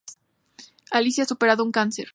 Alicia ha superado un cáncer.